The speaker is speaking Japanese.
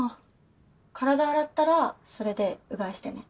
体洗ったらそれでうがいしてね。